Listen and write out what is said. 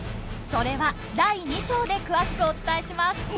それは第２章で詳しくお伝えします。